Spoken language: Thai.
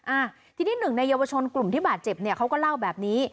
อ่าทีนี้หนึ่งในเยาวชนกลุ่มที่บาดเจ็บเนี่ยเขาก็เล่าแบบนี้